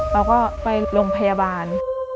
เราก็ไปโรงพยาบาล